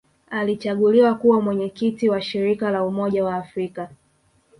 Alichaguliwa kuwa Mwenyekiti wa Shirika la Umoja wa Afrika